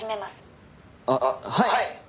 あっはい！